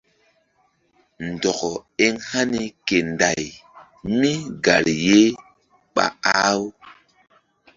Ndɔkɔ eŋ hani ke Nday mígari ye ɓa ah-u.